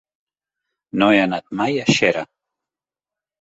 No he anat mai a Xera.